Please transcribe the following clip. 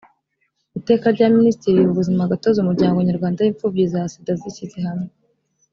iteka rya minisitiri riha ubuzimagatozi umuryango nyarwanda w imfubyi za sida zishyize hamwe